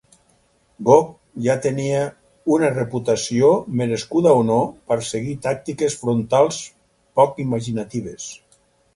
Gough ja tenia una reputació, merescuda o no, per seguir tàctiques frontals poc imaginatives.